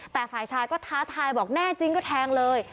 แต่ฝ่ายชายก็ท้าทายบอกแน่จริงก็แทงเลย